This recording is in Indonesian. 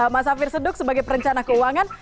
mas afir seduk sebagai perencana keuangan